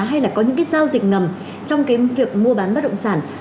hay là có những cái giao dịch ngầm trong cái việc mua bán bất động sản